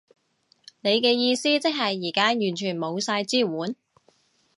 你嘅意思即係而家完全冇晒支援？